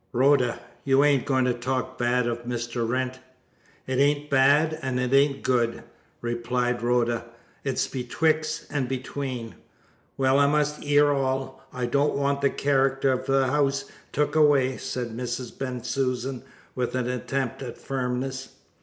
"Rhoda! You ain't going to talk bad of Mr. Wrent?" "It ain't bad, and it ain't good," replied Rhoda. "It's betwixt and between." "Well, I must 'ear all. I don't want the character of the 'ouse took away," said Mrs. Bensusan, with an attempt at firmness.